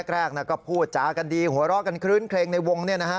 แรกก็พูดจากันดีหัวเราะกันคลื้นเครงในวง